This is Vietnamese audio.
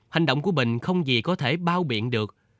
hành động của bình không gì có thể bao biện được